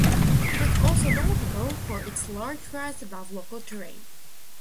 It is also notable for its large rise above local terrain.